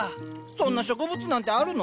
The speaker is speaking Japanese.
そんな植物なんてあるの？